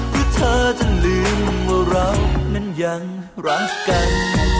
ที่เธอจะลืมว่าเรานั้นยังรักกัน